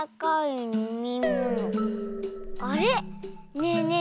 ねえねえ